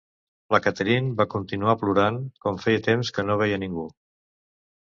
La Catherine va continuar plorant, com feia temps que no veia ningú.